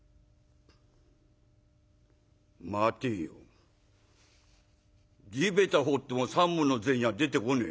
「待てよ地べた掘っても３文の銭は出てこねえ。